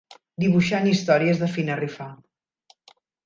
Dibuixant històries de Fina Rifà.